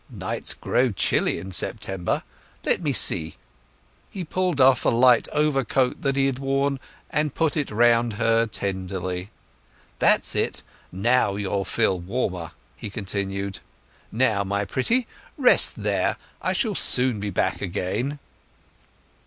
"Nights grow chilly in September. Let me see." He pulled off a light overcoat that he had worn, and put it round her tenderly. "That's it—now you'll feel warmer," he continued. "Now, my pretty, rest there; I shall soon be back again."